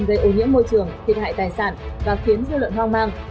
gây ô nhiễm môi trường thiệt hại tài sản và khiến dư luận hoang mang